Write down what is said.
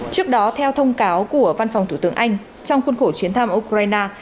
trước đó theo thông cáo của văn phòng thủ tướng anh trong khuôn khổ chuyến thăm ukraine